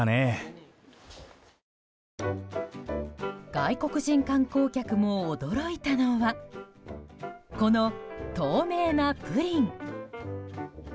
外国人観光客も驚いたのはこの透明なプリン。